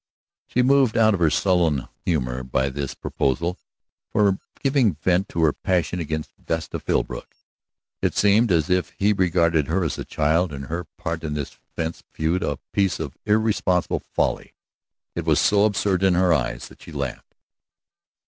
She was moved out of her sullen humor by this proposal for giving vent to her passion against Vesta Philbrook. It seemed as if he regarded her as a child, and her part in this fence feud a piece of irresponsible folly. It was so absurd in her eyes that she laughed.